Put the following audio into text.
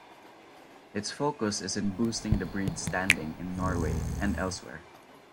Its focus is in boosting the breed's standing in Norway and elsewhere.